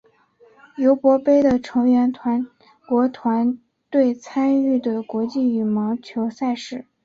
尤伯杯的成员国团队参与的国际羽毛球赛事。